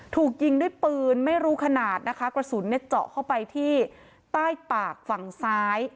ถูกยิงด้วยปืนไม่รู้ขนาดนะคะกระสุนเนี่ยเจาะเข้าไปที่ใต้ปากฝั่งซ้าย